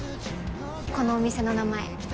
このお店の名前